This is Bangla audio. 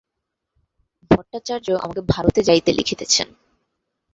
ভট্টাচার্য আমাকে ভারতে যাইতে লিখিতেছেন।